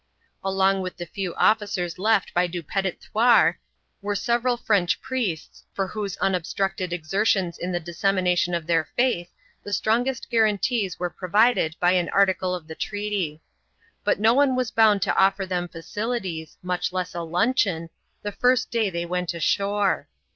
Along with the few officers left by Du Petit Thouars, were several French priests, for Avhose unobstructed exertions in the dissemination of their faith, the strongest guarantees were provided by an article of the treaty. But no one was bound to offer them facilities, much less a luncheon, the first day they went ashore.